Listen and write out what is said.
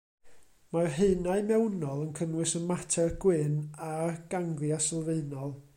Mae'r haenau mewnol yn cynnwys y mater gwyn, a'r ganglia sylfaenol.